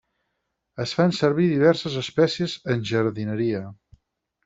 Es fan servir diverses espècies en jardineria.